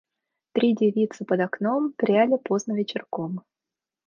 Три девицы под окном пряли поздно вечерком